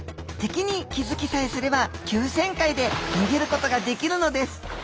敵に気付きさえすれば急旋回で逃げることができるのです。